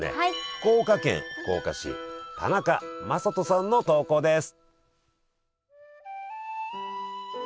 福岡県福岡市田中雅人さんの投稿です。